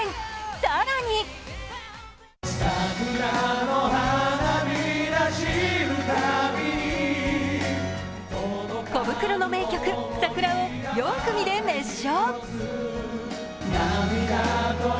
更にコブクロの名曲「桜」を４組で熱唱。